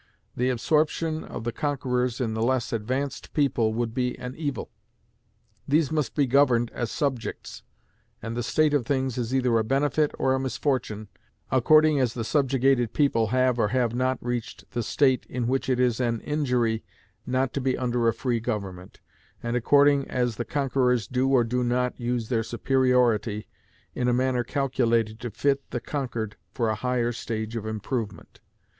The absorption of the conquerors in the less advanced people would be an evil: these must be governed as subjects, and the state of things is either a benefit or a misfortune, according as the subjugated people have or have not reached the state in which it is an injury not to be under a free government, and according as the conquerors do or do not use their superiority in a manner calculated to fit the conquered for a higher stage of improvement.